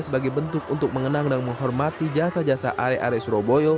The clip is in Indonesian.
sebagai bentuk untuk mengenang dan menghormati jasa jasa arek arek surabaya